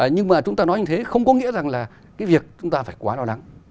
nhưng mà chúng ta nói như thế không có nghĩa rằng là cái việc chúng ta phải quá lo lắng